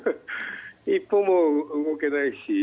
一歩も動けないし。